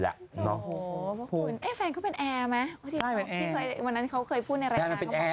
แหละเนาะแฟนเขาเป็นแอร์ไหมวันนั้นเขาเคยพูดในรายการ